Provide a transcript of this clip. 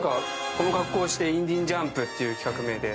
この格好してインディ・ジャーンプっていう企画名で。